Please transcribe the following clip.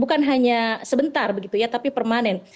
bukan hanya sebentar begitu ya tapi permanen